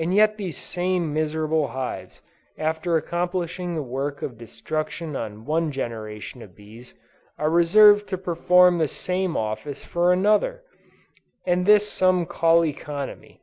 And yet these same miserable hives, after accomplishing the work of destruction on one generation of bees, are reserved to perform the same office for another. And this some call economy!